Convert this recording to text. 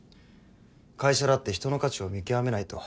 会社だって人の価値を見極めないと。